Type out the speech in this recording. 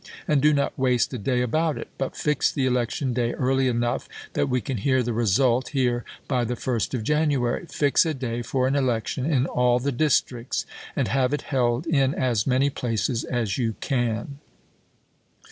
And do not waste a day about it, but fix the election day early enough that Liucoin to ^®^^^ hear the result here by the fii'st of January. Fix shepiey, a day for an election in all the districts, and have it held Nov. 21, .*^' 1862. MS. m as many places as you can.